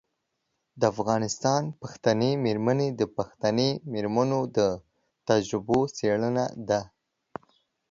د افغانستان پښتنې میرمنې د پښتنې میرمنو د تجربو څیړنه ده.